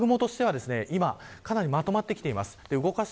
雨雲としては、今かなりまとまってきています。